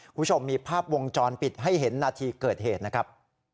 คุณผู้ชมมีภาพวงจรปิดให้เห็นนาทีเกิดเหตุนะครับ